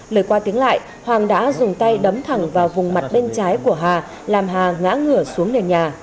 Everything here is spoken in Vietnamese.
lời qua tiếng lại hoàng đã dùng tay đấm thẳng vào vùng mặt bên trái của hà làm hà ngã ngửa xuống nền nhà